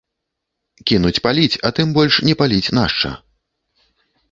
Кінуць паліць, а тым больш не паліць нашча.